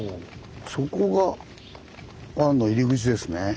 そこが湾の入り口ですね。